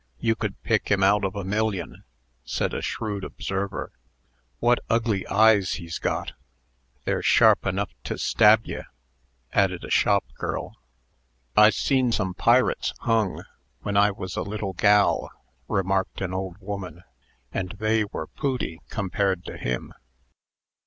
You could pick him out of a million," said a shrewd observer. "What ugly eyes he's got! They're sharp enough to stab ye," added a shop girl. "I seen some pirates hung, when I was a little gal," remarked an old woman, "and they were pooty compared to him."